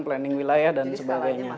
planning wilayah dan sebagainya